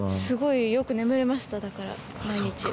すごいよく眠れましただから毎日。